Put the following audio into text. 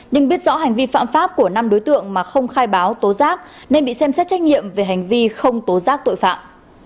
nhưng biết rõ hành vi phạm pháp của năm đối tượng mà không khai báo tố giác nên bị xem xét trách nhiệm về hành vi không tố giác tội phạm